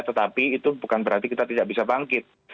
tetapi itu bukan berarti kita tidak bisa bangkit